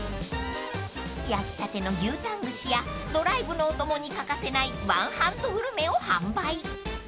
［焼きたての牛タン串やドライブのお供に欠かせないワンハンドグルメを販売］